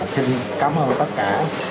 xin cảm ơn tất cả